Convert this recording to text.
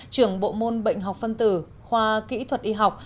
trưởng bộ môn bệnh học phân tử khoa kỹ thuật y học